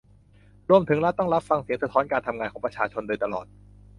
รวมถึงรัฐต้องรับฟังเสียงสะท้อนการทำงานของประชาชนโดยตลอด